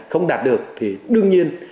không đạt được thì đương nhiên